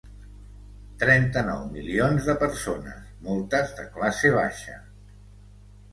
Trenta-nou milions de persones, moltes de classe baixa.